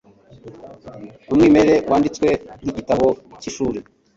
Umwimerere wanditswe nkigitabo cyishuri.